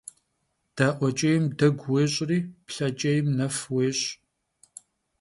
Da'ueç'êym degu vuêş'ri, plheç'êym nef vuêş'.